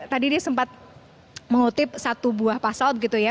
tadi dia sempat mengutip satu buah pasal gitu ya